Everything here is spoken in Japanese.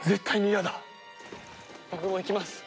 僕も行きます。